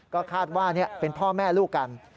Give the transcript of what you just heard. ก็คาดว่าเป็นพ่อแม่ลูกกัน